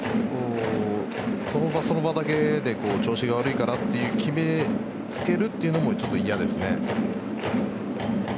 その場その場だけで調子が悪いからと決めつけるのもちょっと嫌ですね。